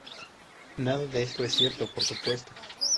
Nada de esto es cierto, por supuesto".